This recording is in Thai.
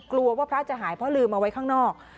กลัวว่าพระจะหายเพราะลืมเอาไว้ข้างนอก